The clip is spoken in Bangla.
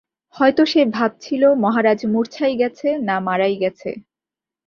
হয়তো সে ভাবছিল, মহারাজ মূর্ছাই গেছে, না মারাই গেছে।